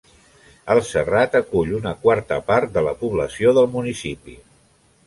El Serrat acull una quarta part de la població del municipi.